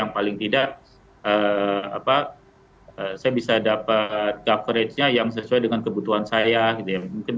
paling tidak apa saya bisa dapat coveragenya yang sesuai dengan kebutuhan saya mungkin